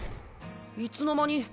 いつの間に。